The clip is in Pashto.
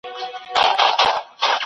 دا نامرده چي په ځان داسي غره دی